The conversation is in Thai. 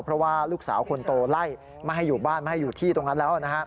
เพราะว่าลูกสาวคนโตไล่ไม่ให้อยู่บ้านไม่ให้อยู่ที่ตรงนั้นแล้ว